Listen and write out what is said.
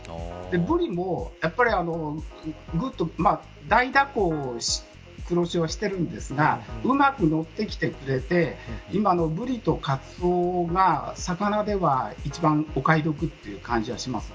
ブリもぐっと大蛇行してるんですがうまくのってきてくれて今、ブリとカツオが魚では一番お買い得という感じがします。